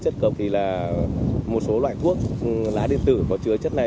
thì là một số loại thuốc lá điện tử có chứa chất này